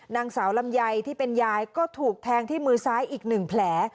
นางสาวลำไยที่เป็นยายก็ถูกแทงที่มือซ้ายอีก๑แผล